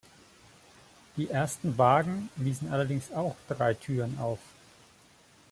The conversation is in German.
Die ersten Wagen wiesen allerdings auch drei Türen auf.